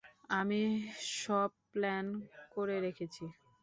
আমি সব প্ল্যান করে রেখেছি।